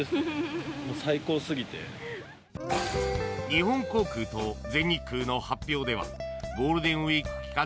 日本航空と全日空の発表ではゴールデンウィーク期間